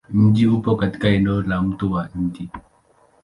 Mji upo katika eneo la Mto wa Mt.